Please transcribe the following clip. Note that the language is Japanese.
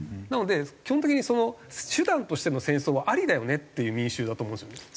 なので基本的にその手段としての戦争はありだよねっていう民衆だと思うんですよね。